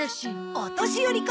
お年寄りか！